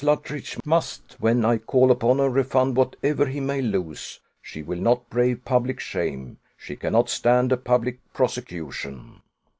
Luttridge must, when I call upon her, refund whatever he may lose: she will not brave public shame she cannot stand a public prosecution."